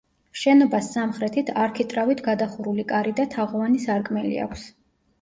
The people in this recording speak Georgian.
შენობას სამხრეთით არქიტრავით გადახურული კარი და თაღოვანი სარკმელი აქვს.